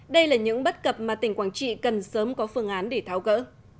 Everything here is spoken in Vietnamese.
đây là những bất cập mà tỉnh quảng trị cần sớm có phương án để tháo gỡ